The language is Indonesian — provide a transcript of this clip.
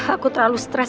aku terlalu stres